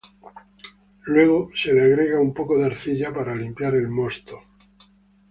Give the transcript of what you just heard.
Luego se le agrega un poco de arcilla para limpiar el mosto.